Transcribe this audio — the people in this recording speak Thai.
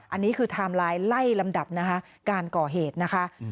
อันนี้คือไทม์ไลน์ไล่ลำดับนะคะการก่อเหตุนะคะ